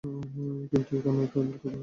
কিন্তু এখন এ নিয়ে কৌতূহল তুঙ্গে।